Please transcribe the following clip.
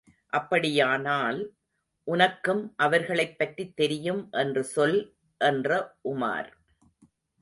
அப்படியானால், உனக்கும் அவர்களைப்பற்றித் தெரியும் என்று சொல் என்ற உமார்.